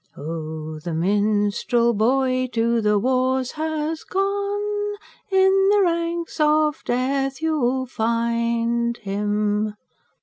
O, THE MINSTREL BOY TO THE WARS HAS GONE! IN THE RANKS OF DEATH YOU'LL FIND HIM.